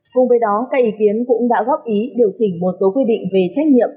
cùng với đó các ý kiến cũng đã góp ý điều chỉnh một số quy định về trách nhiệm